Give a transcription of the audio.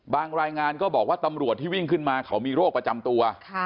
รายงานก็บอกว่าตำรวจที่วิ่งขึ้นมาเขามีโรคประจำตัว